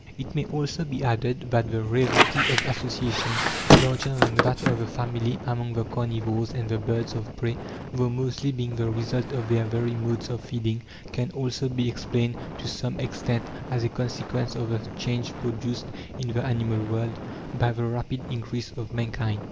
It may also be added that the rarity of associations larger than that of the family among the carnivores and the birds of prey, though mostly being the result of their very modes of feeding, can also be explained to some extent as a consequence of the change produced in the animal world by the rapid increase of mankind.